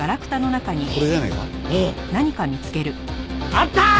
あったー！